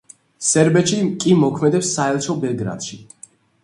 სერბეთში კი მოქმედებს საელჩო ბელგრადში.